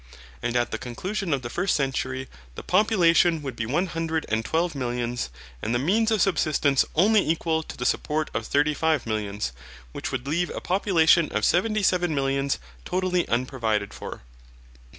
And at the conclusion of the first century the population would be one hundred and twelve millions and the means of subsistence only equal to the support of thirty five millions, which would leave a population of seventy seven millions totally unprovided for.